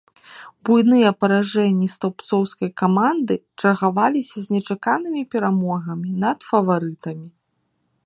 Буйныя паражэнні стаўбцоўскай каманды чаргаваліся з нечаканымі перамогамі над фаварытамі.